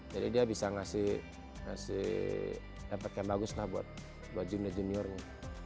jadi dia bisa ngasih ngasih efek yang bagus lah buat junior juniornya